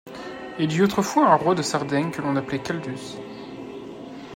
Il y eut autrefois un roi de Sardaigne que l'on appelait Caldus.